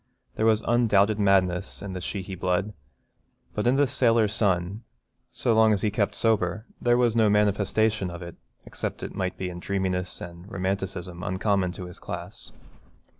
There was undoubted madness in the Sheehy blood, but in this sailor son, so long as he kept sober, there was no manifestation of it except it might be in a dreaminess and romanticism uncommon to his class.